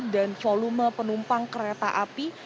dan volume penumpang kereta api